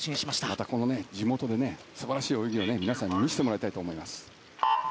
また地元で素晴らしい泳ぎを皆さんに見せてもらいたいと思います。